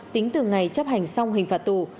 tính từ ngày chấp hành xong hình phạt tù